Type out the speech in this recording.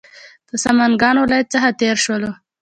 د سمنګانو ولایت څخه تېر شولو.